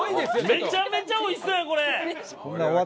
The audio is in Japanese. めちゃめちゃ美味しそうやこれ！